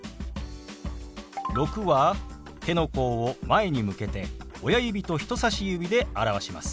「６」は手の甲を前に向けて親指と人さし指で表します。